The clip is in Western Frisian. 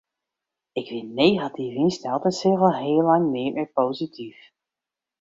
Ik wie negatyf ynsteld en seach al heel lang neat mear posityf.